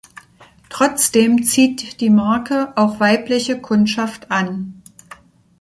Trotzdem zieht die Marke auch weibliche Kundschaft an.